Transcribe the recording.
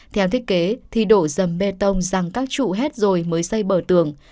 theo thiết kế thì đổ dầm bê tông rằng các trụ hết rồi mới xây bờ tường